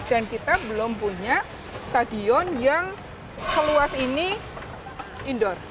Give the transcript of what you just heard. dan kita belum punya stadion yang seluas ini indoor